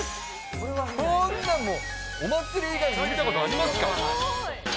こんなのお祭り以外で見たことありますか？